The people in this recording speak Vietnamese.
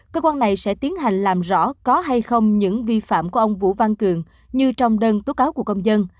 cơ quan này sẽ tiến hành làm rõ có hay không những vi phạm của ông vũ văn cường như trong đơn tố cáo của công dân